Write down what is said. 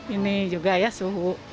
ini juga ya suhu